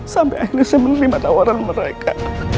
sampai akhirnya saya menerima tawaran mereka